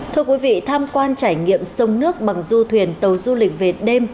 thưa quý vị tham quan trải nghiệm sông nước bằng du thuyền tàu du lịch về đêm